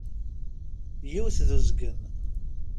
Yiwet d uzgen.